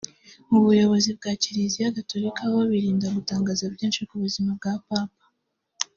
Mu buyobozi bwa Kiliziya Gatolika ho birinda gutangaza byinshi ku buzima bwa Papa